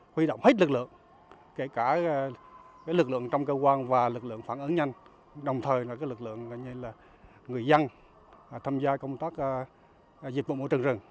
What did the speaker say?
huy động hết lực lượng kể cả lực lượng trong cơ quan và lực lượng phản ứng nhanh đồng thời lực lượng người dân tham gia công tác dịch vụ mổ trần rừng